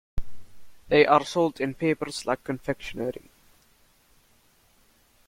They are sold in papers like confectionary.